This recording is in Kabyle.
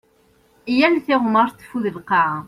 Yal tiɣmert teffud lqaɛa.